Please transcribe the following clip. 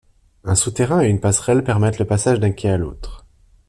Un souterrain et une passerelle permettent le passage d'un quai à l'autre.